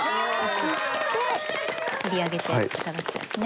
そして取り上げて頂きたいですね。